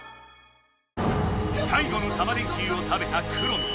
さい後のタマ電Ｑを食べたくろミン。